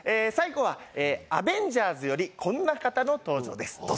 最後は『アベンジャーズ』よりこんな方の登場です。